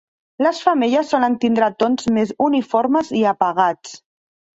Les femelles solen tindre tons més uniformes i apagats.